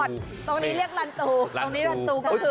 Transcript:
ลันตูตรงนี้เรียกลันตูลันตูก็คือ